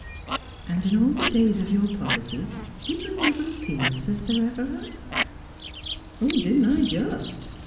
' And in all the days of your poverty did you never appeal to Sir Everard 1 '' Didn't I, just